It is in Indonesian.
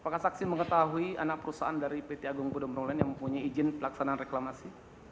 apakah saksi mengetahui anak perusahaan dari peti agung podomerole yang mempunyai izin pelaksanaan reklamasi